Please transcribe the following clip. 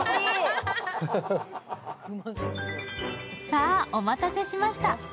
さあ、お待たせしました。